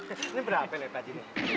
ini berapa ya pak ji